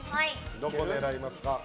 どこ狙いますか。